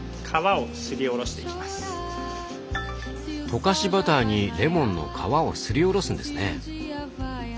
溶かしバターにレモンの皮をすりおろすんですね。